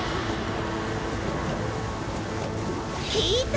聞いた？